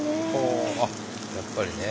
やっぱりね。